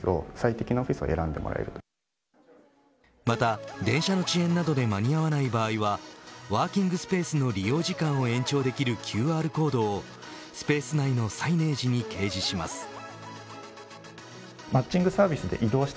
また電車の遅延などで間に合わない場合はワーキングスペースの利用時間を延長できるＱＲコードをスペース内のサイネージに掲示します。